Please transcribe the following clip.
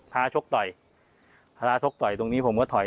พระพระชกต่อยพระพระชกต่อยตรงนี้ผมก็ถอย